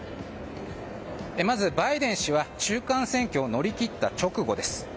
まずバイデン氏は中間選挙を乗り切った直後です。